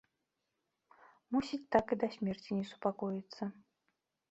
Мусіць, так і да смерці не супакоіцца.